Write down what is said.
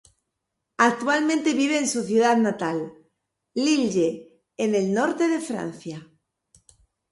Actualmente vive en su ciudad natal, Lille, en el norte de Francia.